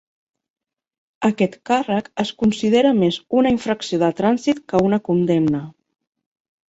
Aquest càrrec es considera més una infracció de trànsit que una condemna.